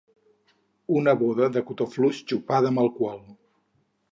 Una bola de cotó fluix xopada amb alcohol.